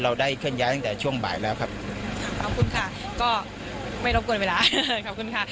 ได้เคลื่อนย้ายตั้งแต่ช่วงบ่ายแล้วครับขอบคุณค่ะก็ไม่รบกวนเวลาขอบคุณค่ะ